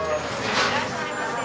いらっしゃいませ。